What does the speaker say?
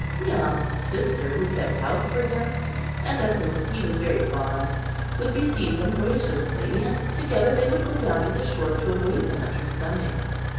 Tee am's sister, who kept house for him, and of whom he was very fond, would receive them graciously, and together they would go down to the shore to await the hunter's coming.